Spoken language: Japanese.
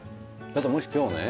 だからもし今日ね